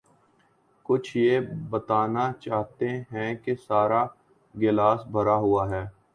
کچھ یہ بتانا چاہتے ہیں کہ سارا گلاس بھرا ہوا ہے۔